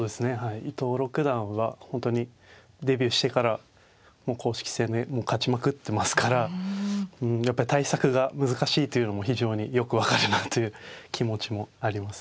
伊藤六段は本当にデビューしてから公式戦で勝ちまくってますからうんやっぱり対策が難しいというのも非常によく分かるなという気持ちもありますね。